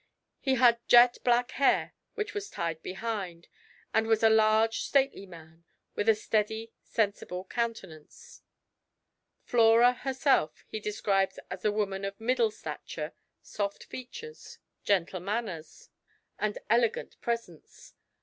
He had jet black hair which was tied behind, and was a large, stately man, with a steady, sensible countenance." Flora herself he describes as a woman of middle stature, soft features, gentle manners, and elegant presence.